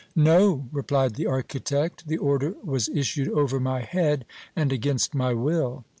"No," replied the architect. "The order was issued over my head and against my will."